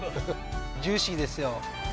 ジューシーですよ。